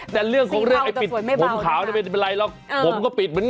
แต่เรื่องของธิบดผมขาวไม่เป็นไรหรอกผมปิดเหมือนกัน